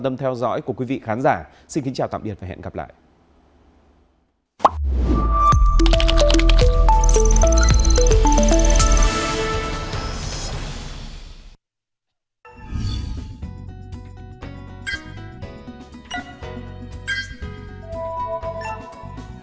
tâm theo dõi của quý vị khán giả xin kính chào tạm biệt và hẹn gặp lại à à à à à ừ ừ